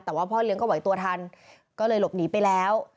แต่ว่าพ่อเลี้ยงก็ไหวตัวทันก็เลยหลบหนีไปแล้ว